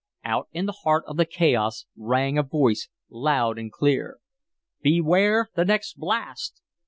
Out in the heart of the chaos rang a voice loud and clear: "Beware the next blast!"